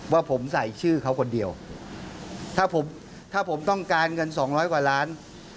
ว่าผมใส่ชื่อเขาคนเดียวถ้าผมถ้าผมต้องการเงินสองร้อยกว่าล้าน